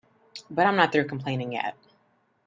But I'm not through complaining yet.